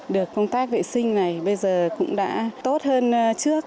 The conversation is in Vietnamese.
được công tác vệ sinh này bây giờ cũng đã tốt hơn trước